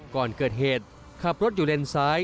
ก่อนเกิดเหตุขับรถอยู่เลนซ้าย